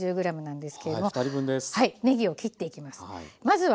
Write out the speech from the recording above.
ねぎを切っていきます。